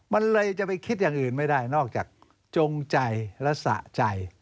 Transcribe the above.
มันเลยจะไปคิดอย่างอื่นไม่ได้นอกจากจงใจและสะใจ